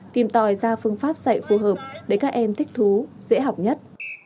tìm tòi ra phương pháp dạy phù hợp để các em thích thú dễ học nhất